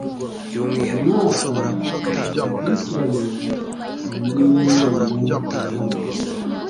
mwaka bikurikiranye n inama zabo